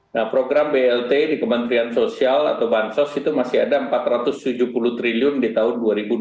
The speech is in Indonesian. nah program blt di kementerian sosial atau bansos itu masih ada rp empat ratus tujuh puluh triliun di tahun dua ribu dua puluh